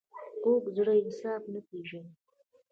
کوږ زړه انصاف نه پېژني